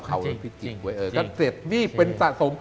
ขักเสร็จรีบเป็นสะสม